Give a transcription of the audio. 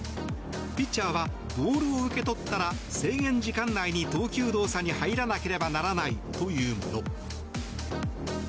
ピッチャーはボールを受け取ったら制限時間内に投球動作に入らなければならないというもの。